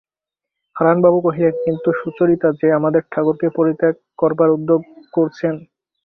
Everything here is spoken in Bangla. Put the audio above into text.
হারানবাবু কহিলেন, কিন্তু সুচরিতা যে আমাদের ঠাকুরকে পরিত্যাগ করবার উদ্যোগ করছেন।